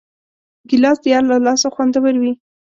ګیلاس د یار له لاسه خوندور وي.